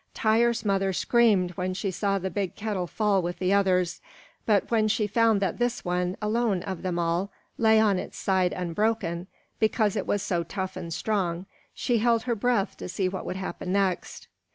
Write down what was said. Tŷr's mother screamed when she saw the big kettle fall with the others: but when she found that this one, alone of them all, lay on its side unbroken, because it was so tough and strong, she held her breath to see what would happen next.